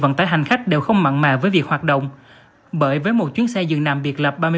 vận tải hành khách đều không mặn mà với việc hoạt động bởi với một chuyến xe dừng nằm biệt lập